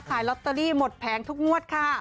ขายลอตเตอรี่หมดแผงทุกงวดค่ะ